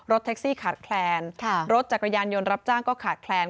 แท็กซี่ขาดแคลนรถจักรยานยนต์รับจ้างก็ขาดแคลน